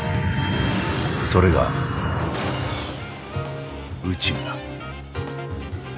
それが宇宙だ。